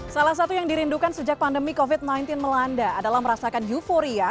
salah satu yang dirindukan sejak pandemi covid sembilan belas melanda adalah merasakan euforia